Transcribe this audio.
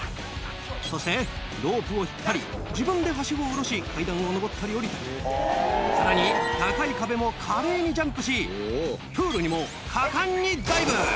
そしてロープを引っ張り自分ではしごを下ろし階段を上ったり下りたりさらに高い壁も華麗にジャンプしプールにも果敢にダイブ！